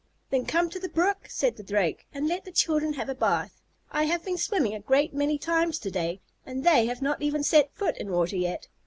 "Then come to the brook," said the Drake, "and let the children have a bath. I have been swimming a great many times to day, and they have not even set foot in water yet.